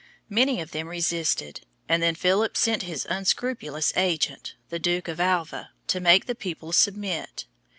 Many of them resisted, and then Philip sent his unscrupulous agent, the Duke of Alva, to make the people submit.